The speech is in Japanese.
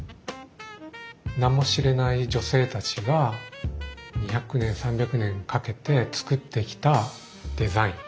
名も知れない女性たちが２００年３００年かけて作ってきたデザイン。